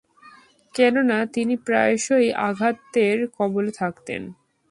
কেননা, তিনি প্রায়শঃই আঘাতের কবলে থাকতেন।